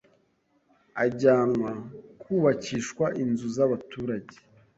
ajyanwa kubakishwa inzu z’abaturage